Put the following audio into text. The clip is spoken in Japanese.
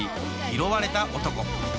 「拾われた男」。